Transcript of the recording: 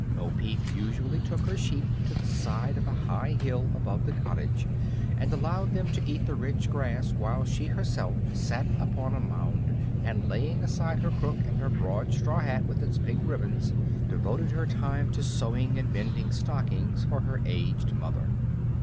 Bo Peep usually took her sheep to the side of a high hill above the cottage, and allowed them to eat the rich grass while she herself sat upon a mound and, laying aside her crook and her broad straw hat with its pink ribbons, devoted her time to sewing and mending stockings for her aged mother.